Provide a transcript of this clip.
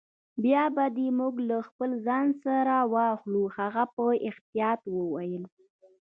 بیا به دي موږ له خپل ځان سره واخلو. هغه په احتیاط وویل.